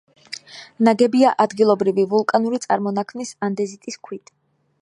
ნაგებია ადგილობრივი, ვულკანური წარმონაქმნის, ანდეზიტის ქვით.